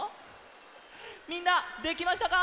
みんなできましたか？